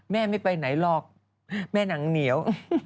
แม่ไม่ไปไหนหรอกแม่หนังเหนียว